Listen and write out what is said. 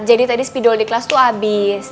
jadi tadi spidol di kelas tuh abis